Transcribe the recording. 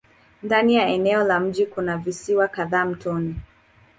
Ndani ya eneo la mji kuna visiwa kadhaa mtoni.